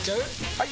・はい！